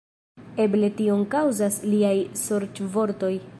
Eble tion kaŭzas liaj sorĉvortoj.